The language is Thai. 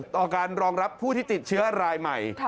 ต่อการรองรับผู้ที่ติดเชื้อรายใหม่